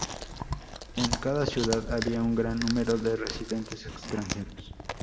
En cada ciudad había un gran número de residentes extranjeros.